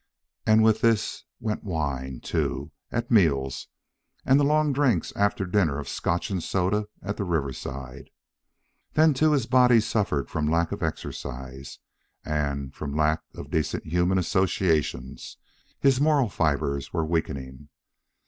And with this went wine, too, at meals, and the long drinks after dinner of Scotch and soda at the Riverside. Then, too, his body suffered from lack of exercise; and, from lack of decent human associations, his moral fibres were weakening.